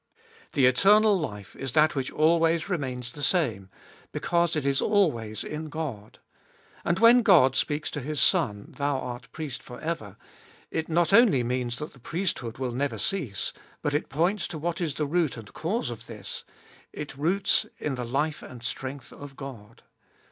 The eternal life is that which always remains the same, because it is always in God. And when God speaks to His Son, Thou art Priest for ever, it not only means that the priesthood will never cease, but it points to what is the root and cause of this ; it roots in the life and strength of God.